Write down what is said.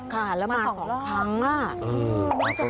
ค่ะแล้วมา๒ครั้งอ่ะไม่ว่าจะมาอีกไหม